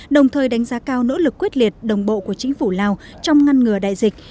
đồng thời đánh giá cao nỗ lực quyết liệt đồng bộ của chính phủ lào trong ngăn ngừa đại dịch